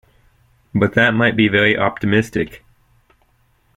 But that might be very optimistic.